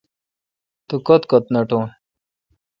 توکت کت نٹوں۔